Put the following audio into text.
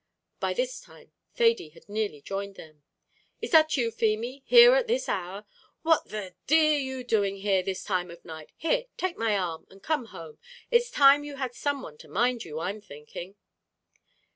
By this time, Thady had nearly joined them. "Is that you, Feemy, here at this hour? What the d are you doing there, this time of night? Here, take my arm, and come home; it's time you had some one to mind you, I'm thinking."